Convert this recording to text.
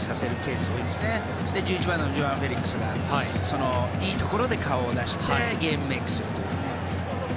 そして１１番のジョアン・フェリックスがいいところで顔を出してゲームメイクするという。